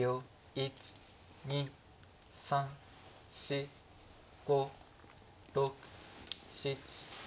１２３４５６７。